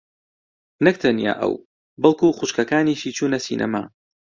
نەک تەنیا ئەو بەڵکوو خوشکەکانیشی چوونە سینەما.